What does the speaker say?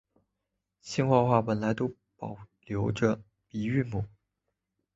兴化话本来都保留着的鼻韵母。